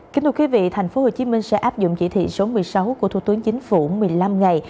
kính thưa quý vị tp hcm sẽ áp dụng chỉ thị số một mươi sáu của thủ tướng chính phủ một mươi năm ngày